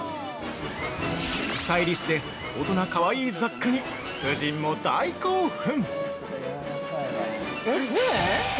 スタイリッシュで大人かわいい雑貨に夫人も大興奮！